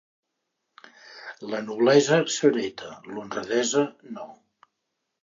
La noblesa s'hereta, l'honradesa, no.